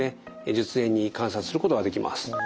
術前に観察することができます。